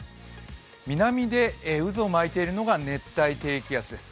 南で渦を巻いているのが熱帯低気圧です。